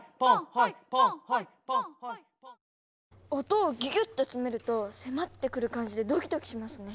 音をギュギュッとつめると迫ってくる感じでドキドキしますね。